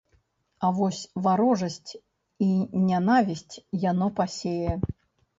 А вось варожасць і нянавісць яно пасее.